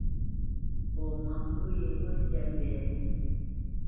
Fɔ mâʼ mbə̂ yeghó syâ mbɛ́nə̄.